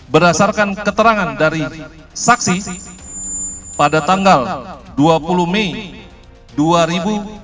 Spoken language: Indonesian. berdasarkan keterangan dari saksi pada tanggal dua puluh mei dua ribu dua puluh